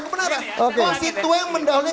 kebenaran konstituen mendalami